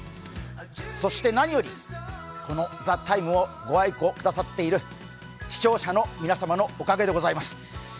そして何より、この「ＴＨＥＴＩＭＥ，」をご愛顧くださっている視聴者の皆様のおかげであります。